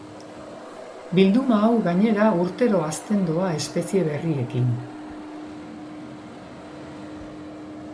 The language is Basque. Bilduma hau gainera urtero hazten doa espezie berriekin.